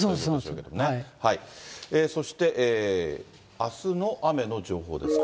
そしてあすの雨の情報ですか。